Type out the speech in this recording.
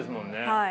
はい。